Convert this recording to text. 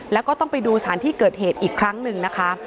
แล้วก็ต้องไปดูสถานที่เกิดเหตุอีกครั้งหนึ่งนะคะ